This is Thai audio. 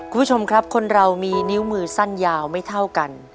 คุณผู้ชมครับคนเรามีนิ้วมือสั้นยาวไม่เท่ากัน